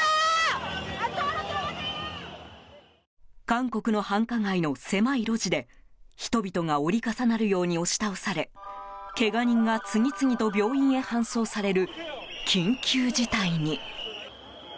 韓国の繁華街の狭い路地で人々が折り重なるように押し倒されけが人が次々と病院へ搬送される緊急事態に。